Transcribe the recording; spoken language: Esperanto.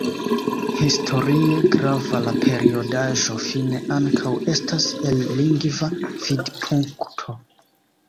Historie grava la periodaĵo fine ankaŭ estas el lingva vidpunkto.